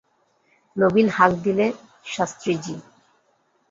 নবীন হাঁক দিলে, শাস্ত্রীজি।